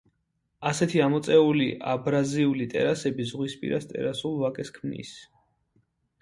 ასეთი ამოწეული აბრაზიული ტერასები ზღვის პირას ტერასულ ვაკეს ქმნის.